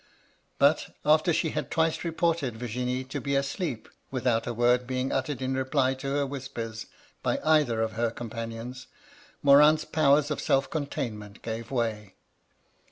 But, after she had twice reported Virginie to be adeep, without a word being uttered in reply to her whispers by either of her companions, Morin's powers of self containment gave way.